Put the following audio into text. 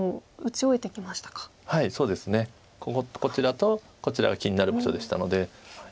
こちらとこちらが気になる場所でしたので。